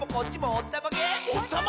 おったまげ！